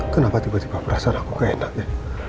kenapa tiba tiba perasaan aku keenak ya